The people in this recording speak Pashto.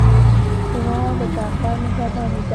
هېواد د ډاکټر مهرباني ده.